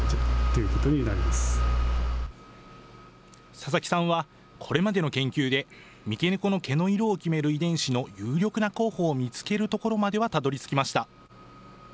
佐々木さんはこれまでの研究で、三毛猫の毛の色を決める遺伝子の有力な候補を見つけるところまではたどりつきました。